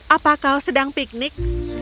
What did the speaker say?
apa kau sedang piknik